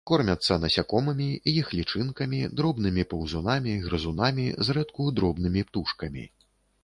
Кормяцца насякомымі, іх лічынкамі, дробнымі паўзунамі, грызунамі, зрэдку дробнымі птушкамі.